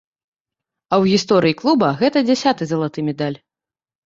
А ў гісторыі клуба гэта дзясяты залаты медаль.